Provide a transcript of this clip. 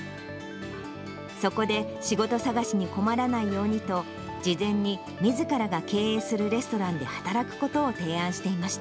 そこで、仕事探しに困らないようにと、事前にみずからが経営するレストランで働くことを提案していました。